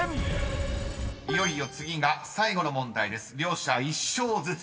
［いよいよ次が最後の問題です。両者１勝ずつ］